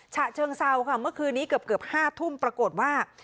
ฉะเชิงเซาค่ะเมื่อคืนนี้เกือบ๕ทุ่มปรากฏว่า